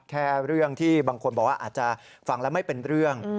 แค่เรื่องที่บางคนบอกว่าอาจจะฟังแล้วไม่เป็นเรื่อง